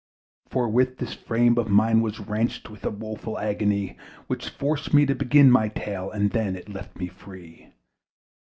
Forthwith this frame of mine was wrenched With a woeful agony, Which forced me to begin my tale; And then it left me free.